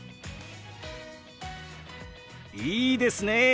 いいですね！